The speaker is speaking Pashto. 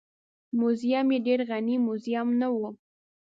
موزیم یې ډېر غني موزیم نه و.